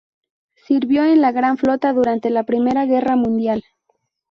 Sirvió en la gran flota durante la Primera Guerra mundial.